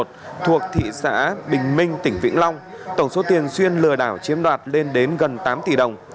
thuộc thị xã bình minh tỉnh vĩnh long tổng số tiền xuyên lừa đảo chiếm đoạt lên đến gần tám tỷ đồng